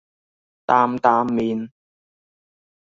擔擔麵